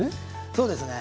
そうですね。